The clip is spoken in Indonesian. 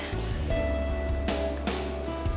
reva kangen banget sama mami